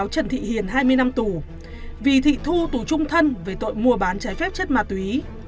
trần thị hiền hai mươi năm tù vì thị thu tù trung thân về tội mua bán trái phép chất ma túy